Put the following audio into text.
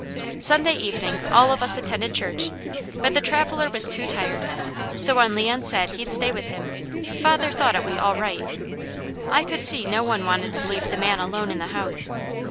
Sunday evening all of us attended church, but the traveller was too tired, so when Leon said he'd stay with him, father thought it was all right. I could see no one wanted to leave the man alone in the house.